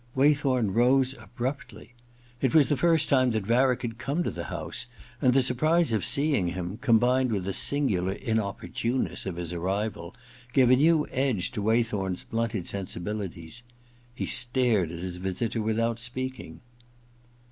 Waythorn rose abrupdy. It was the first time that Varick had come to the house, and the surprise of seeing him, combined with the singular inopportune ness of his arrival, gave a new edge to Way thorn*s blunted sensibilities. He stared at his visitor without speaking.